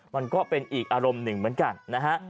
มันก็เป็นอีกอารมณ์หนึ่งเหมือนกันนะฮะ